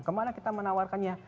kemana kita menawarkannya